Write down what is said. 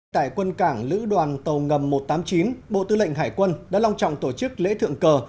tại quân cảng lữ đoàn tàu ngầm một trăm tám mươi chín bộ tư lệnh hải quân đã long trọng tổ chức lễ thượng cờ